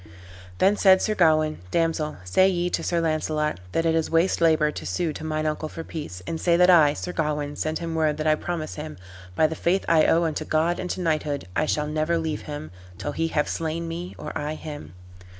Then said Sir Gawain, "Damsel, say ye to Sir Launcelot, that it is waste labor to sue to mine uncle for peace, and say that I, Sir Gawain, send him word that I promise him, by the faith I owe unto God and to knighthood, I shall never leave him till he have slain me or I him."